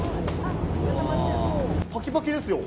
パキパキですよ。